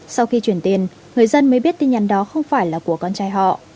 sau khi chuyển tiền người dân mới biết tin nhắn đó không phải là của con trai họ